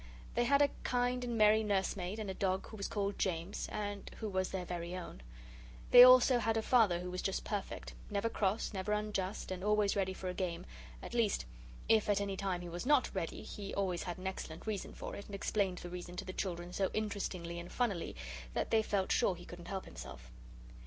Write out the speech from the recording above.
They had a kind and merry nursemaid, and a dog who was called James, and who was their very own. They also had a Father who was just perfect never cross, never unjust, and always ready for a game at least, if at any time he was NOT ready, he always had an excellent reason for it, and explained the reason to the children so interestingly and funnily that they felt sure he couldn't help himself.